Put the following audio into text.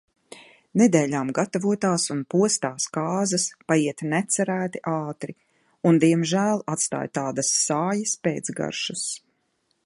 Nedēļām gatavotās un postās kāzas paiet necerēti ātri un diemžēl atstāj tādas sājas pēcgaršas.